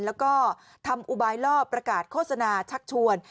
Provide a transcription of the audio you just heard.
แล้วก็ทำอุบายล่อประกาศโฆษณาชักชวน